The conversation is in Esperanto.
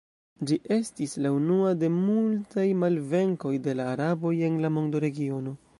Ĝi estis la unua de multaj malvenkoj de la araboj en la mondoregiono.